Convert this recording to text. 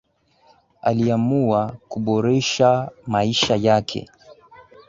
Aliamua kuboresha maisha yake